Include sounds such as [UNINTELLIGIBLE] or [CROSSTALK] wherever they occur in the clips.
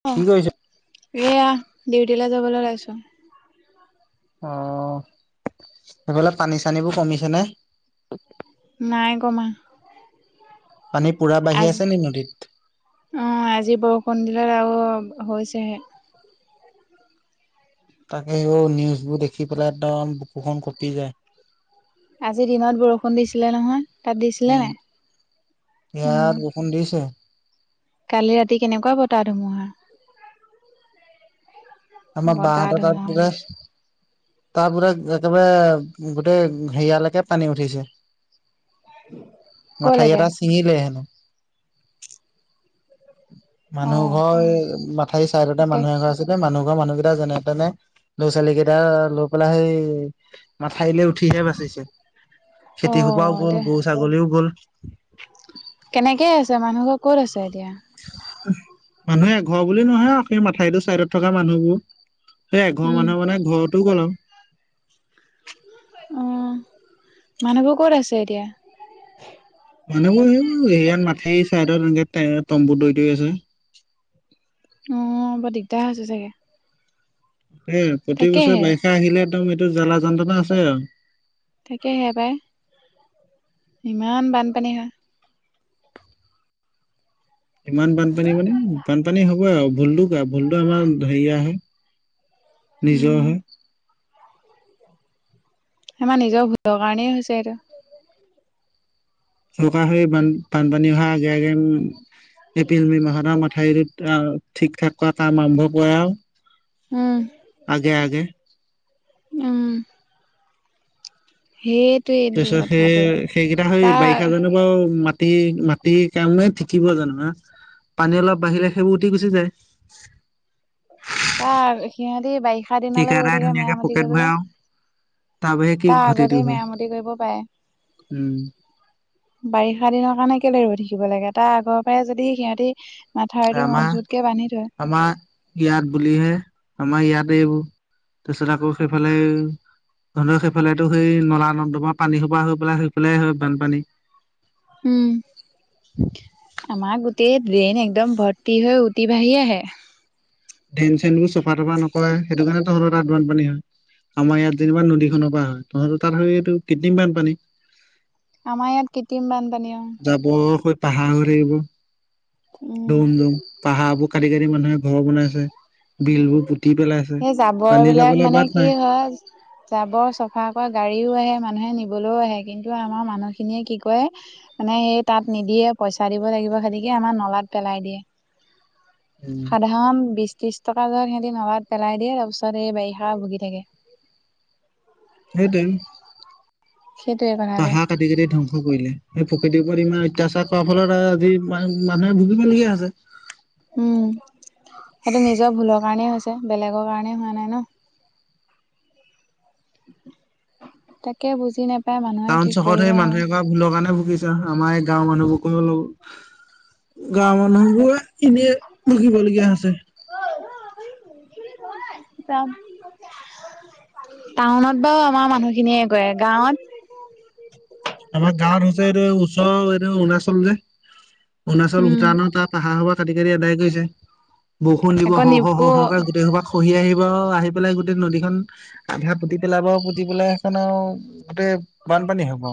[UNINTELLIGIBLE] এয়া ডিউটি লৈ যাবলৈ ওলাইছোঁ। অ', সেইফালে পানী চানীবোৰ কমিছে নে? নাই কমা। পানী পুৰা বাঢ়ি আজি আছে নি নদীত। অ', আজি বৰষুণ দিলত আৰু হৈছেহে। তাকে অ', নিউজ বোৰ দেখি পেলাই একদম বুকুখন কঁপি যায়। আজি দিনত বৰষুণ দিছিলে নহয় তাত দিছিলে উম, নাই, ইয়াত উম। বৰষুণ দিছে। কালি ৰাতি, কেনেকুৱা বতাহ ধুমুহা। আমাৰ বা বতাহ হতৰ তাত ধুমুহা বোলে, দিছে তাত বোলে, একেবাৰে গোটেই হেৰিয়ালৈকে পানী উঠিছে। মাথাউৰি কলৈকে এটা ছিঙিলে। অ মানুহ ঘৰ মাথাউৰি চাইডতে এতিয়া মানুহ এঘৰ আছিলে মানুহ, ৰ মানুহ কেইটা যেনে তেনে ল'ৰা-ছোৱালী কেইটা লৈ পেলাই, সেই মাথাউৰিলৈ উঠিহে বাচিছে। অ খেতি খোপাও গ'ল, এতিয়া গৰু ছাগলীও গ'ল। কেনেকে আছে, মানুহ বোৰ ক'ত আছে এতিয়া? মানুহ এঘৰ বুলি নহয় আৰু সেই মাথাউৰিটো চাইডত থকা মানুহবোৰ। সেই এঘৰ উম মানুহ মানে ঘৰতো গ'ল আৰু। অ মানুহ বোৰ ক'ত আছে এতিয়া? মানুহবোৰ, এইবোৰ হেৰিয়াত মাথাউৰি চাইদত এনেকে তম্বু তৰি তৰি আছে। অঁ বৰ দিগদাৰ হৈছে চাগে। অ প্ৰতি বছৰে তাকেহে বাৰিষা আহিলে, একদম এইটো জ্বালা যন্ত্ৰণা আছে আৰু। তাকেহে পাই, ইমান বানপানী হয়। ইমান বানপানী মানে, বানপানী হবই আৰু ভুলতো কাৰ ভুলতো আমাৰ হেৰিয় হয়। নিজৰ উম হে, আমাৰ নিজৰ ভুলৰ কাৰণেই হৈছে এইটো। চৌকা হৈ বান বানপানী অহাৰ আগে আগে উম। এপ্ৰিল মে' মাহত আৰু মথাউৰিটোত ঠিক ঠাক কৰা কাম আৰম্ভ কৰে আৰু। উম আগে আগে, উম। সেইটোৱে। তাৰপিছত সেই সেইকেইটা সেই বাৰিষা জানো বাৰ মাত মা মাটিৰ কামে থঠিকিব জানো হা পানী অলপ বাঢ়িলে সেইবোৰ উঠি গুচি যায়। তাৰ সিহঁতি বাৰিষা দিনলে ৰৈ ঠিকাদাই থাকে ধুনীয়াকে মেৰামতি পকেট কৰিবলৈ। ভৰাও বাহিৰে কি তাৰ ঘটিটো আগতেই হয় মেৰামতি কৰিব পাৰে। উম বাৰিষা দিনৰ কাৰণে কেলে ৰৈ থাকিব লাগে তাৰ আগৰ পৰাই, যদি সিহঁতি মাথাৰিটো আমাৰ মজুতকে বান্ধি থয়। আমাৰ ইয়াত বুলিহে আমাৰ ইয়াতে এইবোৰ, তাৰপিছত আকৌ সেইফালে, ধৰি লৰক সেইফালেতো সেই নলা নদমাৰ পানী সোপা হৈ পেলাই সেইফালাই হয় বানপানী। উম, আমাৰ গোটেই ড্ৰেইন, একদম ভৰ্তি হৈ উঠি বাঢ়ি আহে। ড্ৰেইন চেন বোৰ চফা তফা নকৰে সেইটো কাৰণে তহতৰ তাত বান পানী হয়। আমাৰ ইয়াত যেনিবা নদীখনৰ পৰা হয়, তহঁত তাত স এইটো কৃত্ৰিম বানপানী। আমাৰ ইয়াত কৃত্ৰিম বানপানী অ, বৰফ হয়, পাহাৰ হৈ থাকিব। উম দম, দন পাহাৰ বোৰ কাটি কাটি মানুহে ঘৰ বনাইছে বিল বোৰ পুতি পেলাইছে। সেই জাবৰ পানী বিলাক যাবলৈ মানে বাট নাই কি হয়। জাবৰ চফা কৰা গাড়ীও আহে মানুহে নিবলৈও আহে। কিন্তু আমাৰ মানুহ খিনিয়ে কি কৰে, মানে সেই তাত নিদিয়ে পইচা দিব লাগিব, হেণেকে আমাৰ নলাত পেলাই দিয়ে। উম, সাধাৰণ বিশ ত্ৰিশ টকা লৈ, সিহঁতি নলাত পেলাই দিয়ে, তাৰ পিছত এই বাৰিষা ভুগি থাকে। সেইটোয়ে। সেইটোৱেই বা পাহাৰ কাটি-কাটি ধং ধ্বংস কৰিলে। সেই প্ৰকৃতিৰ ওপৰত ইমান অত্যাচাৰ কৰাৰ ফলত আহ আজি মানুহে ভুগিবলগীয়া হৈছে। উম! সেইটো নিজৰ ভুলৰ কাৰণেই হৈছে বেলেগৰ কাৰণে হোৱা নাই ন। তাকে বুজি নাপায় মানুহে টাউন কি চহৰত সেই কৰিবা মানুহে আৰু। কৰা ভুলৰ কাৰণে ভুগিছে আমাৰ এই গাঁৱৰ মানুহবোৰ ল গাঁৱৰ মানুহবোৰে এনেই ভুগিবলগীয়া হৈছে। [UNINTELLIGIBLE] টাউনত বাৰু আমাৰ মানুহখিনিয়ে কৰে। গাঁৱত? আমাৰ গাঁৱত হৈছে এইটো ওচৰ এইটো অৰুণাচল যে অৰুণাচল যে উম ভূটানৰ তাত। পাহাৰ সোপা কাটি-কাটি আদায় কৰি দিছে। বৰষুণ দিব আকৌ নিপকো শৰ-শৰ-শৰকে গোটেই সোপাক খহি আহিব আৰু আহি পেলাই গোটেই নদীখন আধা পুতি পেলাব পুতি পেলাই সেইখন আৰু গোটেই বানপানী হ'ব।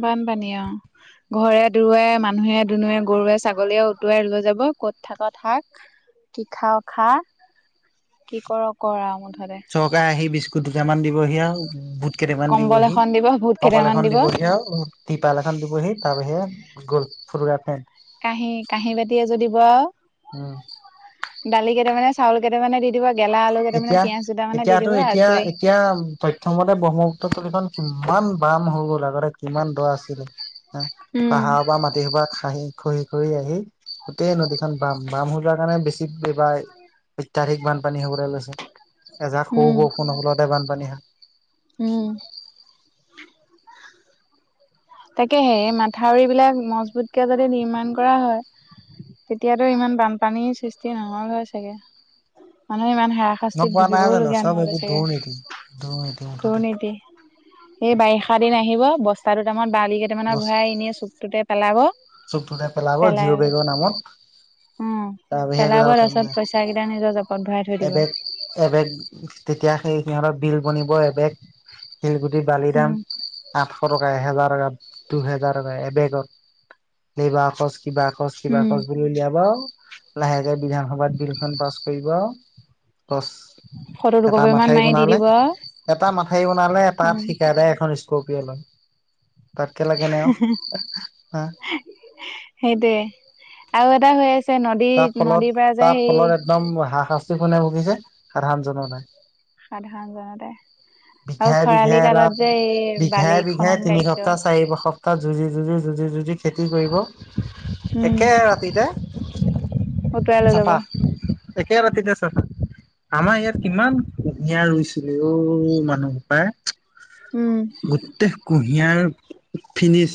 বানপানী অঁ। ঘৰে দূৰুৱে, মানুহে-দুনোৱে, গৰুৱে-ছাগলীয়ে উটুৱাই লৈ যাব ক'ত থাকক থাক। কি খাও খা কি কৰ কৰ মুঠতে। চৰকাৰে আহি বিস্কুট দুটামান দিবহি আৰু বুট কেইটামান কম্বল দিবহি, এখন দিব ভূত কম্বল কেইটামান এখন দিব দিবহিয়েই আৰু তিপাল এখন দিবহি তাৰ বাহিৰে গ'ল ফু্টুকাৰ ফেন। কাঁহী কাঁহী-বাতি এযোৰ দিব আউ। উম! দালি কেইটামানে, চাউল কেইটামানে দি দিব, গেলা আলু কেইটামানে, এতিয়া পিয়াজ কেইটামানে দি এতিয়াতো দিব এতিয়া আজৰি। এতিয়া তথ্যমতে ব্ৰহ্মপুত্ৰ তলিখন কিমান বাম হৈ গ'ল আগতে কিমান দ আছিলে। এ উম পাহাৰৰ পৰা মাটি সোপা খাহি। খহি-খহি আহি গোটেই নদীখন বাম। বাম হৈ যোৱা কাৰণে বেছি এইবাৰ অত্যাধিক বানপানী হ'বলৈ লৈছে। এজাক সৰু উম বৰষুণৰ ফলতে বানপানী হয়। উম! তাকেহে এই মাথাউৰি বিলাক মজবুতকে যদি নিৰ্মাণ কৰা হয়। তেতিয়াতো ইমান বানপানীৰ সৃষ্টি নহ'ল হয় চাগে। মানুহে ইমান ন হাৰাশাস্তিত কোৱা নাই জানো ভুগিবওলগীয়া চব নহ'ল হয় এইবোৰ দুৰ্নীতি দুৰ্নীতি চাগে মুঠতে দুৰ্নীতি। এই বাৰিষা দিন আহিব বস্তা দুটামানত বালি কেইটামানৰ ভৰাই এনে চুকটোতে পেলাব। চুকটোতে পেলাব পেলাই জিঅ' বেগৰ নামত। উম! তাৰ বাহিৰে পেলাব একোডাল কাম নাই তাৰপিছত পইচা কেইটা নিজৰ জেপত। এবেগ, এবেগ তেতিয়া সেই সিহঁতৰ বিল বনিব এবেগ। শিলগুটি, বালিৰ উম দাম আঠশ টকা, এহেজাৰ টকা, দুহেজাৰ টকা এবেগত, লেবাৰৰ খৰচ কিবা খৰছ, কিবা উম খৰছ বুলি উলিয়াব আউ লাহেকে বিধানসভাত বিলখন পাছ কৰিব আউ বচ। ফটো এটা দুকপি মান মাথাউৰি মাৰি দি বনালে। দিব এটা মাথাউৰি বনালে এটা উম থিকাদাৰে এখন ইচ স্কপিয় লয়। তাতকে লাগে নে আৰু [UNINTELLIGIBLE] সেইটোৱেই। আৰু এটা হৈ আছে নদী তাৰ ফলত নদীৰ পৰা যে তাৰ সেই ফলত একদম হাৰা শাস্তি কোনে ভুগিছে সাধাৰণ জনতাই। সাধাৰণ জনতাই। আৰু বিঘাই বিঘাই খৰালি এটা কালত যে এই বিঘাই বালি বিঘাই খনন তিনি কাৰ্য। সপ্তাহ চাৰি সপ্তাহ যুঁজি-যুঁজি-যুঁজি-যুঁজি খেতি কৰিব উম একে ৰাতিতে উটুৱাই [UNINTELLIGIBLE] লৈ যাব চাফা। একে ৰাতিতে চাফা। আমাৰ ইয়াত কিমান কুহিয়া ৰুইছিলে অ'। মানুহ সোপায়। উম। গোটেই কুঁহিয়াৰ ফিনিছ।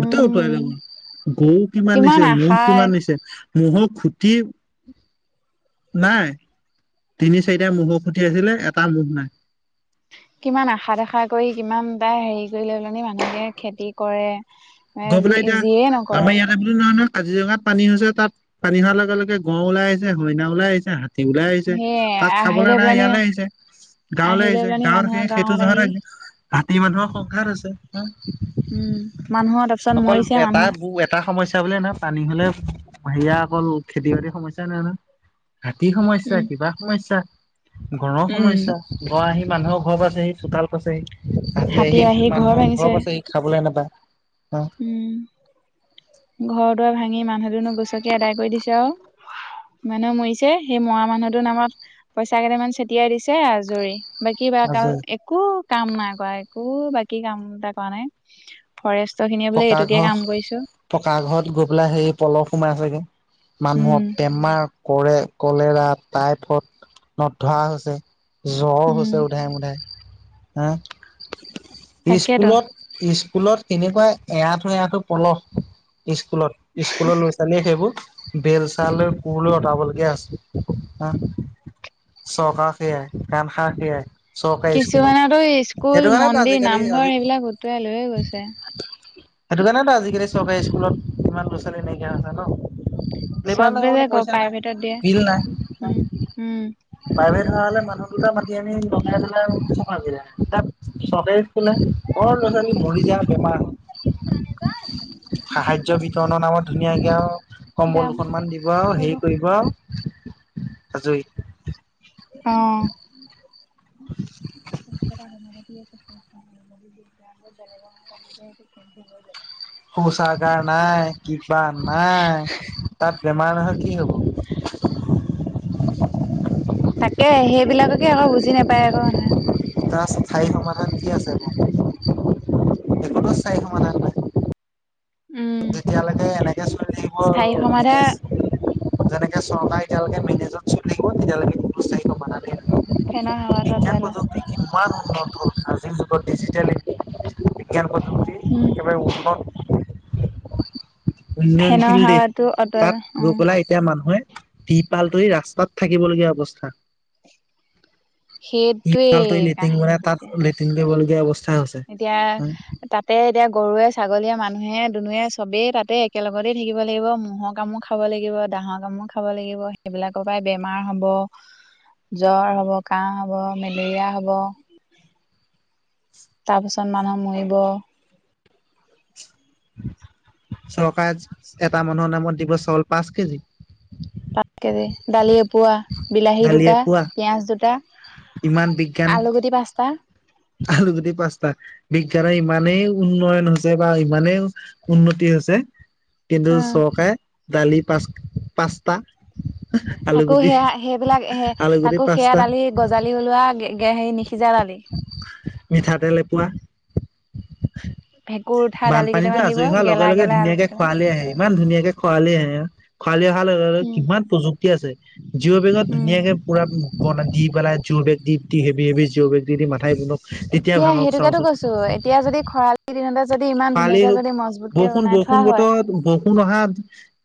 গোটেই উটুৱাই উম লৈ গ'ল। গৰু কিমান নিছে, ম'হ কিমান নিছে ম'হৰ খুটি নাই। তিনি চাৰিটা ম'হৰ খুটি আছিলে এটা ম'হ নাই। কিমান আশা দেখা কৰি, কিমানটা হেৰি কৰিলে মানে মানুহকে খেতি কৰে এ, গৈ যি পেলাই এতিয়া যিয়ে নকৰক। [UNINTELLIGIBLE] কাজিৰঙাত পানী হৈছে, তাত পানী হোৱাৰ লগে লগে গড় ওলাই আহিছে, হৰিনা ওলাই আহিছে, হা তী ওলাই আহিছে, সেয়ে তাত আহি খাবলৈ লৈ নাই পেলানি ইয়ালৈ আহিছে। আহি গাঁৱলৈ লৈ আহিছে, পেলানি গাঁৱৰ মানুহৰ সেই সেইটো গাঁৱত আহি জহতে হাতী মানুহৰ সংঘাত আছে। উম, মানুহৰ তাত অকল এটা বু এট টা সমস্যা বুলিয়ে নহয়, পানী হ'লে হেয়া অকল খেতি বাতিৰ সমস্যাই নহয় নহয়। হাতীৰ সমস্যা, উম কিবা সমস্যা, গড়ৰ উম সমস্যা। গড় আহি মানুহৰ ঘৰ পাইছেহি, চোতাল পাইছেহি, হাতী আহি মানুহৰ ঘৰ পাইছেহি। খাবলৈ নাপায়। অ'। উম ঘৰ দুৱাৰ ভাঙি মানুহ দুনুহ গচকি আদায় কৰি দিছে আৰু। মানহে মৰিছে, সেই মৰা মানুহটোৰ নামত পইচা কেইটামান ছটিয়াই দিছে আজৰি। বাকি বা কাল আজৰি এক কো কাম নাই কৰা, একো বাকী কাম এটা কৰা নাই। ফৰেষ্ট পকা ঘৰ, পকা ঘৰত গৈ পেলাই সেই পলস সোমাই চাগে। উম মানুহক বেমাৰ, কৰে-কলেৰা, টাইফয়ড নধৰা হৈছে। জ্বৰ উম হৈছে উধাই মুধাই। এ, তাকেতো স্কুলত স্কুলত কেনেকুৱা এৰাটো এৰাঠো পলস। স্কুলত, স্কুলৰ ল'ৰা ছোৱালীয়ে সেইবোৰ বেলচা লৈ, কুৰ লৈ অতৰাবলৈ হৈছে। হা চৰকাৰ সেয়াই, কাণ খা সেয়াই। চৰকাৰী স্কুলত কিছুমানতো স্কুল, সেইটো কাৰণেতো মন্দিৰ, আজিকালি নামঘৰ আজি সেইবিলাক উটুৱাই লৈয়ে গৈছে। সেইটো কাৰণেতো আজিকালি চৰকাৰী স্কুলত ইমান ল'ৰা ছোৱালী নাইকিয়া আ, হৈছে ন'। লেবাৰ চবে যে লগাবলে ক পইচা নাই, প্ৰাইভেটত দিয়ে বিল নাই। উম উম প্ৰাইভেট হোৱা হ'লে মানুহ দুটা মাতি আনি লগাই পেলায় চফা কৰিলে হেতেন। চৰকাৰী স্কুলে কৰ ল'ৰা ছোৱালী, মৰি যা বেমাৰ হওক। সাহায্য বিতৰণৰ নামত ধুনীয়াকে আৰু কম্বল যাম দুখনমান দিব, আৰু ৰব হেৰি কৰিব আৰু। আজৰি। অ'। [UNINTELLIGIBLE] শৌচাগাৰ নাই, কিবা নাই, তাত বেমাৰ নহয় কি হ'ব। তাকে, সেইবিলাককে আকৌ বুজি নাপায় আকৌ মানুহে। তাৰ স্থায়ী সমাধান কি আছে, সেইটোতো স্থায়ী সমাধান নাই। উম তেতিয়ালৈকে এনেকে চলি থাকিব স্থায়ী সমাধা মেনেজ। যেনেকে চৰকাৰ এতিয়ালৈকে মেনেজত চল থাকিব তেতিয়ালৈকে কোনো স্থায়ী [UNINTELLIGIBLE] ফেনৰ হাৱাটো আতৰাই ল। ইমান উন্নত আজি যোগত ডিজিটালিট বিজ্ঞান পদ্ধতি উম একেবাৰে উন্নত ফেনৰ উন্নয়নশীল দেশ, হাৱাটো আঁতৰাই লোৱা তাত ৰৈ উম পেলাই এতিয়া মানুহে, তিপাল তৰি ৰাস্তাত থাকিবলগীয়া অৱস্থা। সেইটোৱেই তিপাল তৰি লেট্ৰিন বনাই কাহিনীটো এতিয়া তাত লেট্ৰিন কৰিবলগীয়া অৱস্থা হৈছে। এতিয়া, তাতে এতিয়া গৰুৱে, ছাগলীয়ে, মানুহে-দুনে চবেই তাতেই একেলগতে থাকিব লাগিব ম'হৰ কামুখ খাব লাগিব, দাহৰ কামো খাব লাগিব, সেইবিলাকৰ পৰাই বেমাৰ হ'ব। জ্বৰ হ'ব, কাহ হ'ব, মেলেৰিয়া হ'ব। তাৰ পিছত মানুহ মৰিব। চৰকাৰে, এটা মানুহৰ নামত দিব চাউল পাঁচ কেজি। পাঁচ কেজি, দালি এপোৱা, বিলাহী দালি দুটা, এপোৱা পিয়াজ দুটা। ইমান বিজ্ঞান। আলু গুটি পাঁচটা। আলুগুটি পাঁচটা। বিজ্ঞানৰ ইমানেই উন্নয়ন হৈছে, বা ইমানেই উন্নতি হৈছে। কিন্তু উম চৰকাৰে দালি পাঁচ, পাঁচটা! তাকো আলুগুটি সেয়া সেইবিলাক, আলুগুটি তাকো সেয়া পাঁচটা, দালি গজালি ওলোৱা হেৰি নিসিজা দালি। মিঠাতেল এপোৱা। ভেঁকুৰ উঠা দালি বানপানীতটো কেইটামান দিব আজৰি হোৱাৰ গেলা লগে-লগে গেলা আলু ধুনীয়াকে কেইটামান খোৱালি আহে, ইমান ধুনীয়াকে খোৱালি আহে। খোৱালি অহাৰ লগে-লগে উম কিমান প্ৰযুক্তি আছে, জিঅ' বেগত উম ধুনীয়াকে পূৰা বন দি পেলাই যোৰ বেগ দি হেভি-হেভি জোৰ বেগ দি-দি মাথাই বন এতিয়া সেইটোকেতটো কৈছো, এতিয়া যদি খৰালি দিনতে যদি ইমান খৰালি ধুনীয়াকে যদি মজবুত। বৰষুণ, বৰষুণ বতৰত বৰ ষুণ অহা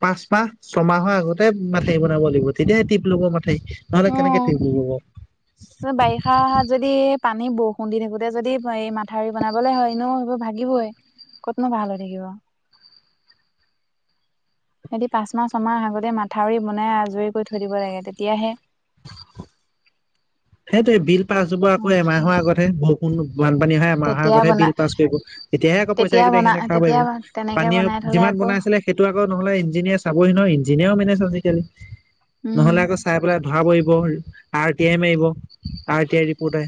পাঁচ মাহ, ছয়মাহৰ আগতে মাথাাই বনাব লাগিব, তিয়ে টিপ লব মাঠাই। নহলে কেনেকে থঠিক হব। হা, যদি পানী বৰষুণ দি থাকোতে যদি এই মাথাউৰি বনাবলৈ হয়, এনেয়ো সেইবোৰ ভাগিবই। কতনো ভাল হৈ থাকিব। সিহঁতি পাঁচ মাহ, ছয়মাহ আগতে মাথাউৰি বনাই আজৰি কৰি থৈ দিব লাগে, তেতিয়াহে। [INAUDIBLE] সেইটোয়ে বিল পাছ যাব আকৌ এমাহৰ আগতহে বৰষুণ বানপানী হয়। মাহৰ তেতিয়া আগতহে বনা বিল পাছ কৰিব। তেতিয়াহে আকৌ পইচা তেতিয়া কেইটা বনা সিহঁতে খাব পাৰিব। তেতিয়া তেনেকে পানীয়ে বনাই থলে যিমান আকৌ বনাই আছিলে সেইটো আকৌ নহলে ইঞ্জিনিয়াৰ চাবহি নহয়। ইঞ্জিনিয়াৰো মানে আজি-কালি উম নহ'লে আকৌ, চাই পেলাই ধৰা পৰিব। আৰ টি এম আহিব। আৰ টি আ ৰি পতে।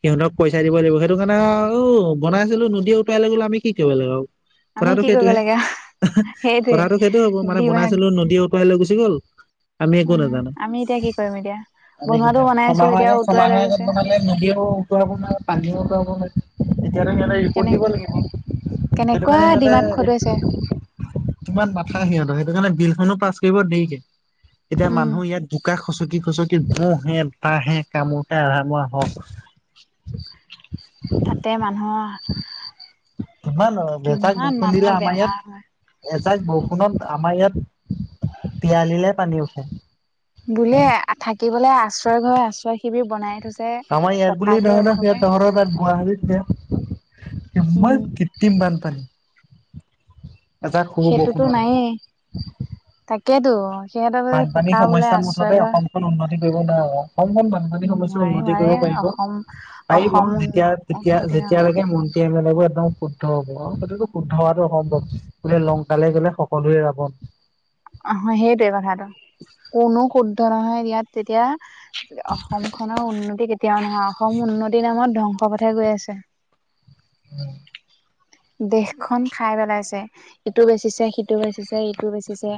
সিহঁতক পইচা দিব লাগিব। সেইটো কাৰণে আও বনাইছিলো। নদীয়ে উতটাই লৈ গলে আমি কি কৰিব লাগিব। আমি কথাতটো কি কৰিব সেইটোয়ে। লাগে সেইটোৱে কথাতটো সেইটো হ'ব মানে দিমাগ বনাইছিলো নদীওত লৈ গুচি গল, আমি একো উম নাজানো। আমি এতিয়া কি কৰিম এতিয়া বনোৱাটো বনাইছো ছমাহৰ এতিয়া আ উটুৱাই লৈ আগত গৈছে বনালে নদীয়েও উতুৱাব নোৱাৰে পানীও উতুৱাব নোৱাৰে। এতিয়া আৰু সিহঁতে উম ৰিপৰ্ট কেনে দিব লাগিব। সেইটো কেনেকুৱা কাৰণে সিহঁতে, দিমাগ খটুৱাইছে ইমান মাথা সিহঁতৰ। সেইটো কাৰণে বিলখনো পাছ কৰিব দেৰিকে। এতিয়া উম মানুহ ইয়াত, বোকা খচকি- খচকি মহ হে বাঁ হে কামোতে আধামৰা হক। তাতে মানুহৰ, কিমান এজাক কিমান বৰষুণ দিলে মানুহৰ আমাৰ ইয়াত, বেমাৰ হয় এজাক বৰষুণত আমাৰ ইয়াত পিয়ালিলে পানী উঠে। বুলিয়ে থাকিবলে আশ্ৰয় ঘৰ, আশ্ৰয় শিবিৰ বনায়ে থৈছে। আমাৰ ইয়াত বুলি পকাকে নহয় নয়, সেই ওখকে তহঁতৰ তাত গুৱাহাটীত দিয়ে ইমান উম কৃত্ৰিম বানপানী! এজাক সৰু সেইটোতো বৰষুণতে। নায়ে, তাকেইতো সিহঁতৰ বোলে বানপানীৰ পকা বোলে সমস্যাত মুঠতে আশ্ৰয় ঘৰ অসমখন উন্নতি কৰিব নোৱাৰে [UNINTELLIGIBLE] [UNINTELLIGIBLE] সমস্যা নোৱাৰে উন্নতি কৰিব নোৱাৰে পাৰিব, অসম পাৰিব অসম যেতিয়া, তেতিয়া, উন্নতি নহয় যেতিয়ালৈকে মন ত্ৰী এমেলেবোৰ একদম শুদ্ধ হ'ব, অ সেইটোটো শুদ্ধ হোৱাটো অসম্ভৱ। বোলে লংকালে গ'লে সকলোৱে ৰাৱণ। অহ, সেইটোৱে কথাটো। কোনো শুদ্ধ নহয় ইয়াত তেতিয়া অসম খনৰ উন্নতি কেতিয়াও নহয় অসম উন্নতিৰ নামত ধ্বংস পথে গৈ আছে। উম দেশখন খাই পেলাইছে। ‌ ইটো বেচিছে, সিটো বেচিছে, ইটো বেচিছে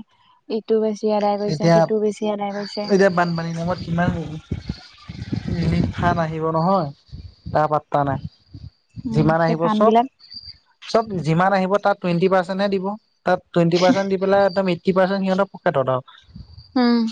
ইটো বেছি আদায় কৰিছে, এতিয়া সিটো বেছি আদায় কৰিছে এতিয়া বানপানীৰ নামত কিমান [UNINTELLIGIBLE] ৰিলিফ ফান আহিব নহয়, তাৰ পাত্তা নাই। উম যিমান সেই আহিব ফান চব, বিলাক চব যিমান আহিব তাৰ টুৱেণ্টি পাৰ্চেন্টহে দিব। তাত টুৱণ্টি পাৰ্চণ্ট দি পেলাই একদম এইটি পাৰ্চেণ্ট সিহঁতৰ পকেটত আও। উম